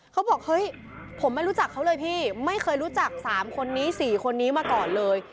เขาบอกเฮ้ยผมไม่รู้จักเขาเลยพี่ไม่เคยรู้จัก๓คนนี้๔คนนี้มาก่อนเลย